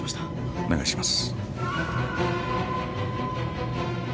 お願いします。